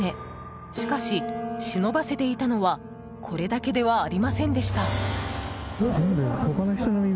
しかし、忍ばせていたのはこれだけではありませんでした。